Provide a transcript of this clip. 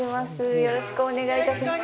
よろしくお願いします。